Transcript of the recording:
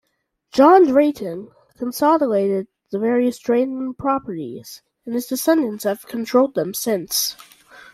John Drayton consolidated the various Drayton properties, and his descendants have controlled them since.